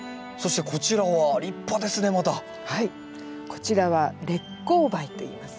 こちらは烈公梅といいます。